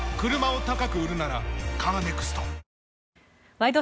「ワイド！